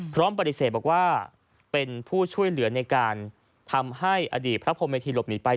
พร้อมปฏิเสธบอกว่าเป็นผู้ช่วยเหลือในการทำให้อดีตพระพรมเมธีหลบหนีไป